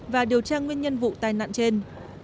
và điều tra nguyên nhân vụ tai nạn trên